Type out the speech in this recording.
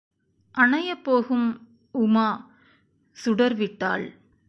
அணையப் போகும் உமா சுடர் விட்டாள்!